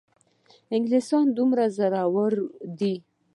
انګلیسیان دومره زورور دي.